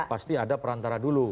pasti ada perantara dulu